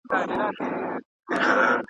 چي په نصیب یې مُلا شاهي وي .